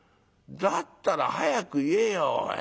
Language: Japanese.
だったら早く言えよ。